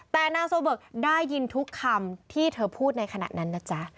แต่นางโซเบิกได้ยินทุกคำที่เธอพูดในขณะนั้นนะจ๊ะ